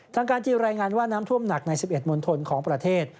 การจีนรายงานว่าน้ำท่วมหนักใน๑๑มณฑลของประเทศ